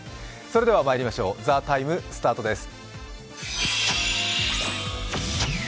それではまいりましょう「ＴＨＥＴＩＭＥ，」スタートです。